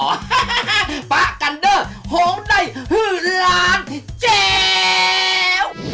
ฮ่าฟากันเดอร์หอมได้หือล้านแจว